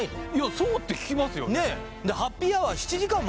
そうって聞きますよね